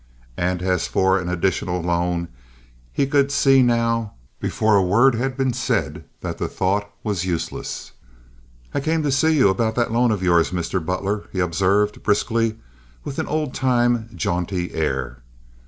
And as for an additional loan, he could see now, before a word had been said, that that thought was useless. "I came to see you about that loan of yours, Mr. Butler," he observed, briskly, with an old time, jaunty air.